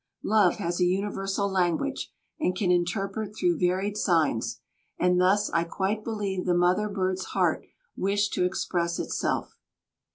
Love has a universal language and can interpret through varied signs, and thus I quite believe the mother bird's heart wished to express itself.